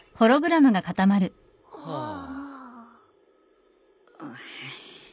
はあ。